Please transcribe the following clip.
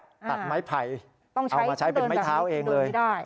ตัดไม้ไผ่เอามาใช้เป็นไม้เท้าเองเลย